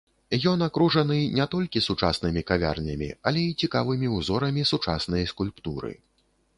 Ён акружаны не толькі сучаснымі кавярнямі, але і цікавымі ўзорамі сучаснай скульптуры.